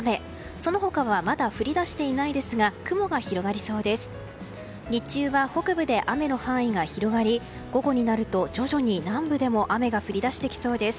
その他はまだ降り出していないですが雲が広がりそうです。